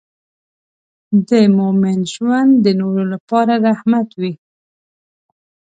د مؤمن ژوند د نورو لپاره رحمت وي.